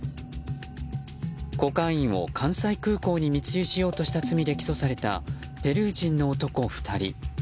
コカインを関西空港に密輸しようとした罪で起訴されたペルー人の男２人。